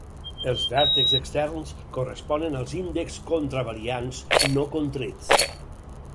Els vèrtexs externs corresponen als índexs contravariants no contrets.